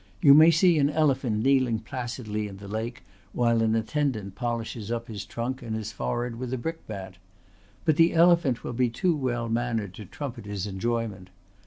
You may see an elephant kneeling placidly in the lake while an attendant polishes up his trunk and his forehead with a brickbat. But the elephant will be too well mannered to trumpet his enjoyment.